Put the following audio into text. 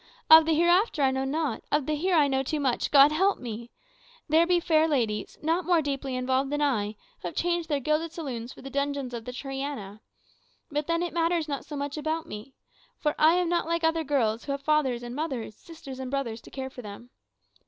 Of the hereafter I know not; of the here I know too much, God help me! There be fair ladies, not more deeply involved than I, who have changed their gilded saloons for the dungeons of the Triana. But then it matters not so much about me. For I am not like other girls, who have fathers and mothers, sisters and brothers to care for them.